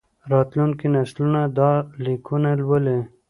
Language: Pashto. راتلونکي نسلونه دا لیکونه لولي.